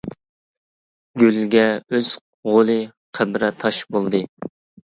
گۈلگە ئۆز غولى قەبرە تاش بولدى.